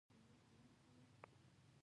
په کلیو کې هم فیوډالیزم د زوال په حال و.